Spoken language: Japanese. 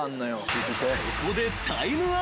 ［ここで］